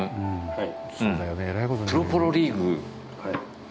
はい。